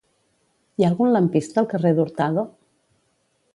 Hi ha algun lampista al carrer d'Hurtado?